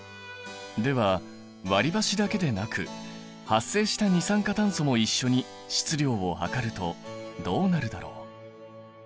では割りばしだけでなく発生した二酸化炭素も一緒に質量を量るとどうなるだろう？